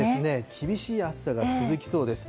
厳しい暑さが続きそうです。